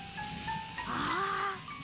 ああ。